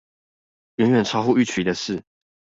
遠遠超乎預期的事